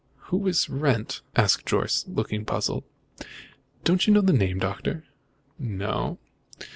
"Who is Wrent?" asked Jorce, looking puzzled. "Don't you know the name, Doctor?" "No."